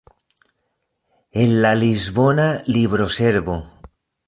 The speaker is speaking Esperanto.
En la Lisbona libroservo.